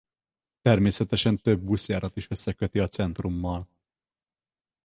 Természetesen több buszjárat is összeköti a centrummal.